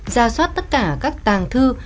gia soát tất cả các tàng thư